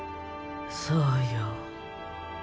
そうよ。